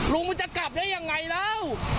ลุงมันจะกลับได้ยังไงแล้ว